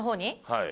はい。